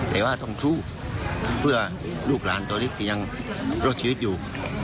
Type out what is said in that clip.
แต่ว่าต้องสู้เพื่อลูกหลานตัวเล็กที่ยังรอดชีวิตอยู่